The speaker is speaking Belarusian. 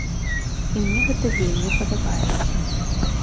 І мне гэта вельмі падабаецца.